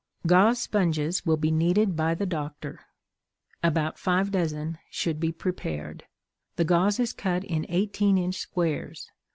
Gauze sponges will be needed by the doctor; about five dozen should be prepared. The gauze is cut in eighteen inch squares.